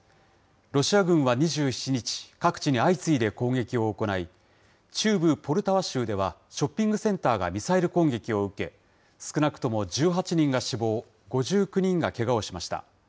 ロシア軍は２７日、各地に相次いで攻撃を行い、中部ポルタワ州では、ショッピングセンターがミサイル攻撃を受け、少なくとも１８人が死亡、５９人がけがをしました。